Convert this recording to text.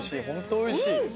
本当おいしい。